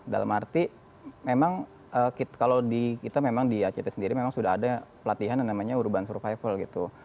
dalam arti memang kalau di kita memang di act sendiri memang sudah ada pelatihan yang namanya urban survival gitu